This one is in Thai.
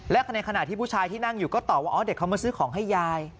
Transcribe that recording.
และในขณะที่ผู้ชายที่นั่งอยู่ก็ตอบว่าอ๋อเด็กเขามาซื้อของให้ยาย